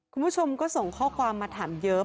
คุณผู้ชมก็ส่งข้อความมาถามเยอะ